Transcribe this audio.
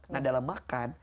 nah dalam makan